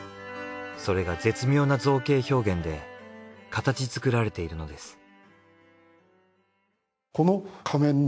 それが絶妙な造形表現で形づくられているのです。